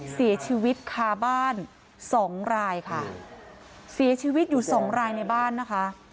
เสียชีวิตคาบ้านสองรายค่ะเสียชีวิตอยู่สองรายในบ้านนะคะ